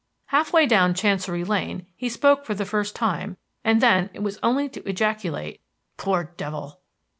Half way down Chancery Lane he spoke for the first time; and then it was only to ejaculate, "Poor devil!"